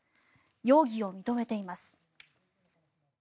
容疑を認めています。